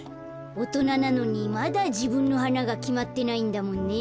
おとななのにまだじぶんのはながきまってないんだもんね。